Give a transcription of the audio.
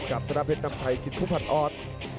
กับสนาเพชรน้ำไทยสิทธุพันออส